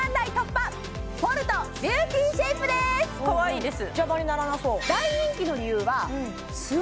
かわいいです